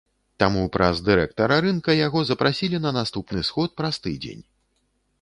Таму праз дырэктара рынка яго запрасілі на наступны сход праз тыдзень.